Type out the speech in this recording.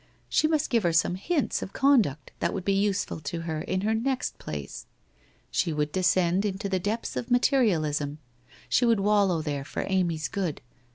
She must give her some hints of conduct that would be useful to her in her next place. She would descend into the depths of materialism, she would wallow there for Amy's good.